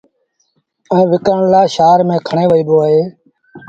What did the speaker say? ائيٚݩ وڪڻڻ لآ شآهر ميݩ کڻي وهيٚبو اهي